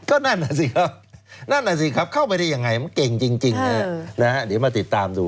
ก็นั่นแหละสิครับเข้าไปได้ยังไงมันเก่งจริงนะฮะเดี๋ยวมาติดตามดู